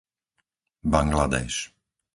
Bangladéš